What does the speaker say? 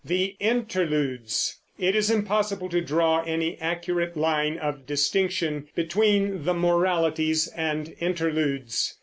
THE INTERLUDES. It is impossible to draw any accurate line of distinction between the Moralities and Interludes.